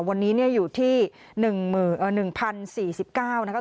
วันนี้เนี่ยอยู่ที่หนึ่งหมื่นเอ่อหนึ่งพันสี่สิบเก้านะคะ